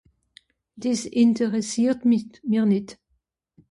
Dìs interssiert mich... mìr nìt.